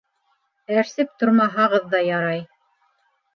Әрсеп тормаһағыҙ ҙа ярай.